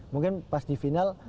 mungkin pas di final